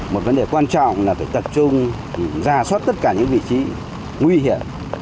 một vấn đề quan trọng là phải tập trung ra soát tất cả những vị trí nguy hiểm